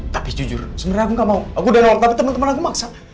tapi jujur sebenernya aku gak mau aku udah nolak tapi temen temen aku gak mau